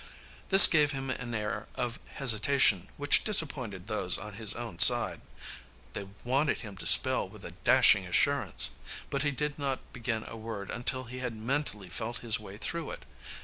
This gave him an air of hesitation which disappointed those on his own side. They wanted him to spell with a dashing assurance. But he did not begin a word until he had mentally felt his way through it.